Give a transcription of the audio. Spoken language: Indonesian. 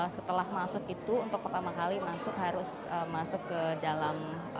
setelah masuk itu untuk pertama kali masuk harus masuk ke dalam